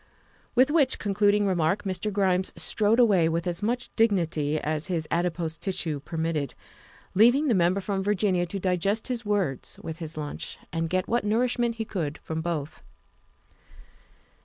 With which concluding remark Mr. Grimes strode away with as much dignity as his adipose tissue per mitted, leaving the Member from Virginia to digest his words with his lunch, and get what nourishment he could from both.